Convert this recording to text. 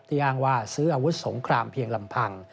อ้างว่าซื้ออาวุธสงครามเพียงลำพัง